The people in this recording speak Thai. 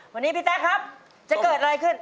วันนี้พี่แต๊กครับจะเกิดอะไรขึ้น